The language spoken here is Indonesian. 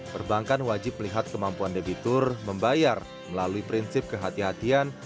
perbankan wajib melihat kemampuan debitur membayar melalui prinsip kehatian